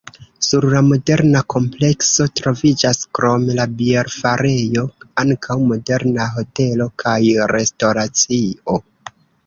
Sur la moderna komplekso troviĝas krom la bierfarejo ankaŭ moderna hotelo kaj restoracio.